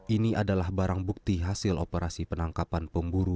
ini adalah barang bukti hasil operasi penangkapan pemburu